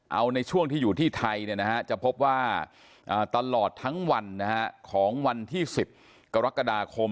เอาในช่วงที่อยู่ที่ไทยจะพบว่าตลอดทั้งวันของวันที่๑๐กรกฎาคม